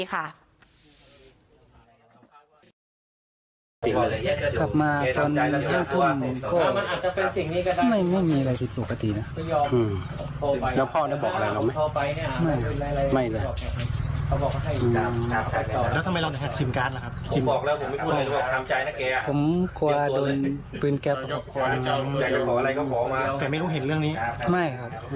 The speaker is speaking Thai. อยากจะขออะไรก็ขอมาแต่ไม่ต้องเห็นเรื่องนี้